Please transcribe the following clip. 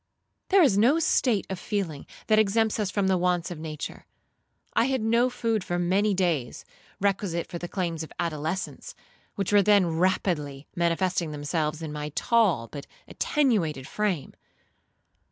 There is no state of feeling that exempts us from the wants of nature. I had no food for many days requisite for the claims of adolescence, which were then rapidly manifesting themselves in my tall, but attenuated frame.